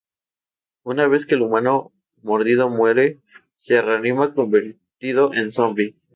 Una vez que el humano mordido muere, se reanima convertido en zombi.